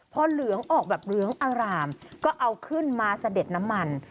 พอเหลืองออกแบบเหลืองอารามก็เอาขึ้นมาเสด็จน้ำมัน